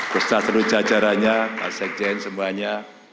bersasuruh jajarannya pak sekien semuanya